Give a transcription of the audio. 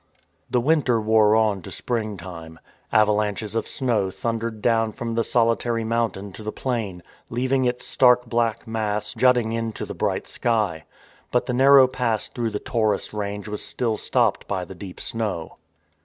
The winter wore on to spring time. Avalanches of snow thundered down from the solitary mountain to the plain, leaving its stark black mass jutting into the bright sky. But the narrow pass through the Taurus range was still stopped by the deep snow.